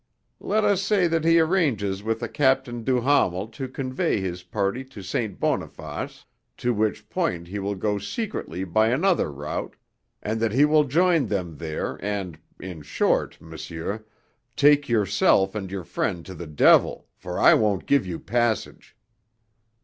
"Let us say then that he arranges with a Captain Duhamel to convey his party to St. Boniface to which point he will go secretly by another route and that he will join them there and in short, monsieur, take yourself and your friend to the devil, for I won't give you passage."